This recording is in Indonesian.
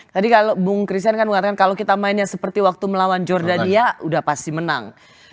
tadi kalau bung christian kan mengatakan kalau kita mainnya seperti waktu melawan jordania sudah pasti menang